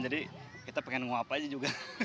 jadi kita pengen nguap aja juga